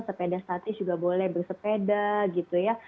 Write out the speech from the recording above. sepeda statis juga boleh bersepeda gitu ya